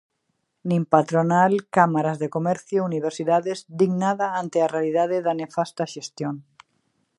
Nin patronal, cámaras de comercio, universidades, din nada ante a realidade da nefasta xestión.